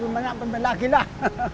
ya belum banyak tempat lagi lah